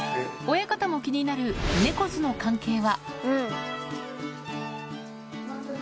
親方も気になる猫ズの関係は。